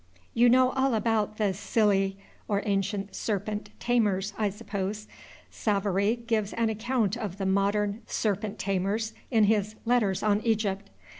You know all about the Psylli, or ancient serpent tamers, I suppose. Savary gives an account of the modern serpent tamers in his "Letters on Egypt."